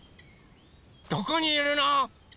どこにいるの？